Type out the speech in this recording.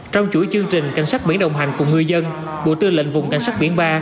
trong chuỗi chương trình cảnh sát biển đồng hành cùng ngư dân bộ tư lệnh vùng cảnh sát biển ba